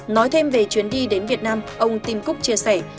nói thêm về chuyến đi đến việt nam ông tim cook chia sẻ